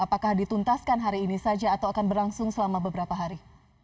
apakah dituntaskan hari ini saja atau akan berlangsung selama beberapa hari